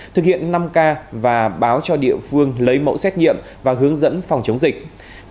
thực hiện năm k và báo cho địa phương lấy mẫu xét nghiệm và hướng dẫn phòng chống dịch